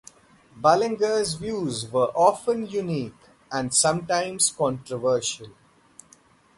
Bullinger's views were often unique, and sometimes controversial.